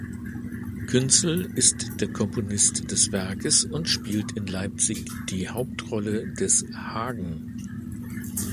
Künzel ist der Komponist des Werkes und spielte in Leipzig die Hauptrolle des "Hagen".